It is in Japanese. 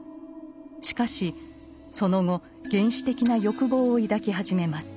しかしその後原始的な欲望を抱き始めます。